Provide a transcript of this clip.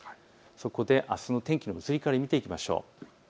そこであすの天気の移り変わり、見ていきましょう。